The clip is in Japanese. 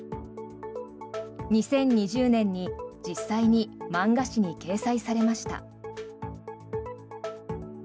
２０２０年に実際に漫画誌に掲載されました。